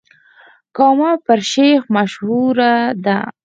کامه په شيريخ مشهوره ده.